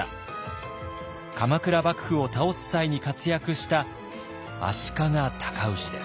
鎌倉幕府を倒す際に活躍した足利尊氏です。